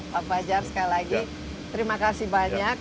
pak fajar sekali lagi terima kasih banyak